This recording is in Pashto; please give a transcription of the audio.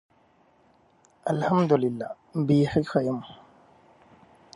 الحمدالله. بیخي ښۀ یم.